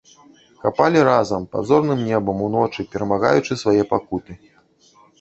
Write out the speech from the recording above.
Капалі разам, пад зорным небам, уночы, перамагаючы свае пакуты.